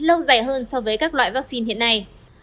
lâu dài hơn so với các loại vaccine hiện nay